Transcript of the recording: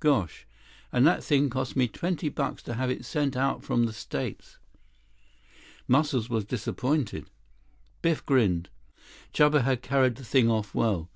Gosh, and that thing cost me twenty bucks to have it sent out from the States." Muscles was disappointed. Biff grinned. Chuba had carried the thing off well.